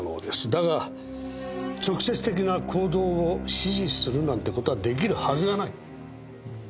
だが直接的な行動を指示するなんてことはできるはずがない。